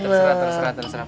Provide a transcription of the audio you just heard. terserah deh terserah terserah